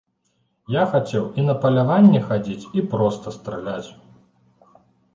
Я хацеў і на паляванні хадзіць, і проста страляць.